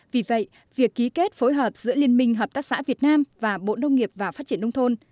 vì vậy việc ký kết phối hợp giữa liên minh hợp tác xã việt nam và bộ nông nghiệp và phát triển nông thôn